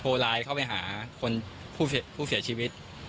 ไลน์เข้าไปหาคนผู้เสียชีวิต